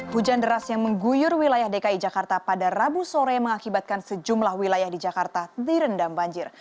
hujan deras yang mengguyur wilayah dki jakarta pada rabu sore mengakibatkan sejumlah wilayah di jakarta direndam banjir